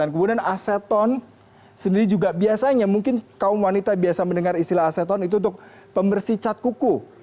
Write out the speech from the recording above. kemudian aseton sendiri juga biasanya mungkin kaum wanita biasa mendengar istilah aseton itu untuk pembersih cat kuku